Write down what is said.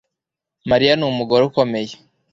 Mariya numugore ukomeye